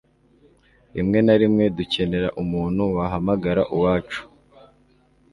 rimwe na rimwe, dukenera umuntu wahamagara uwacu